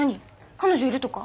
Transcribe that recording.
彼女いるとか？